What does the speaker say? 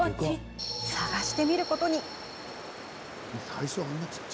探してみることに。